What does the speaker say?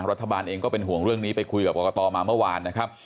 รัฐบาลเองก็เป็นห่วงเรื่องนี้ไปคุยกับกรกตมาเมื่อวานนะครับ